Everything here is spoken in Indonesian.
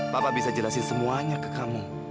bapak bisa jelasin semuanya ke kamu